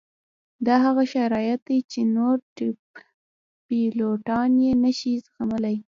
دا هغه شرایط دي چې نور پیلوټان یې نه شي زغملی